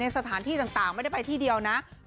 สถานที่ต่างไม่ได้ไปที่เดียวนะ